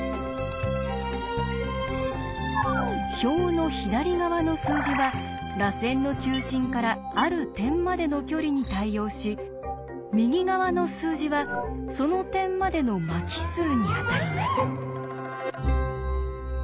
表の左側の数字は「らせんの中心からある点までの距離」に対応し右側の数字は「その点までの巻き数」にあたります。